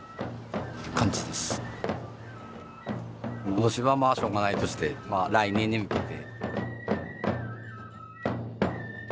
今年はまあしょうがないとしてまあ来年に向けて。